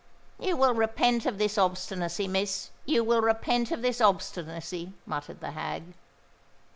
"You will repent of this obstinacy, Miss—you will repent of this obstinacy," muttered the hag.